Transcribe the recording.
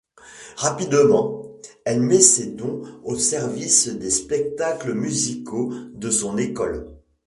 Rapidement elle met ses dons au service des spectacles musicaux de son école.